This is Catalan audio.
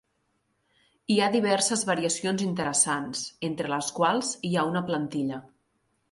Hi ha diverses variacions interessants, entre les quals hi ha una plantilla.